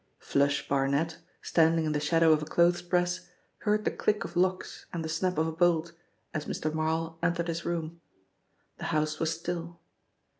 "Flush" Barnet, standing in the shadow of a clothes press, heard the click of locks and the snap of a bolt as Mr. Marl entered his room. The house was still.